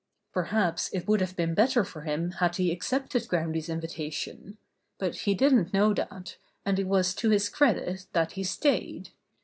Perhaps it would have been better for him had he accepted Groundy's invitation; but he didn't know that, and it was to his credit that he stayed.